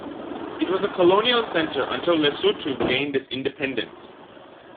It was a colonial center until Lesotho gained its independence.